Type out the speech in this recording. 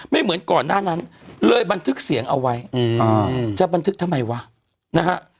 เหมือนก่อนหน้านั้นเลยบันทึกเสียงเอาไว้จะบันทึกทำไมวะนะฮะ